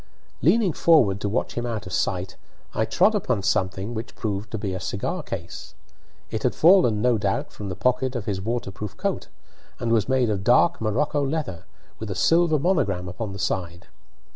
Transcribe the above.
Leaning forward to watch him out of sight, I trod upon something which proved to be a cigar case. It had fallen, no doubt, from the pocket of his waterproof coat, and was made of dark morocco leather, with a silver monogram upon the side.